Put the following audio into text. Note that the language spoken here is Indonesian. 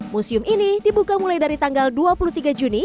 museum ini dibuka mulai dari tanggal dua puluh tiga juni